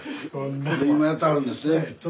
今やってはるんですね。